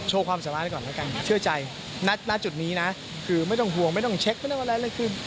ความสามารถไว้ก่อนแล้วกันเชื่อใจณจุดนี้นะคือไม่ต้องห่วงไม่ต้องเช็คไม่ต้องอะไรเลยคือ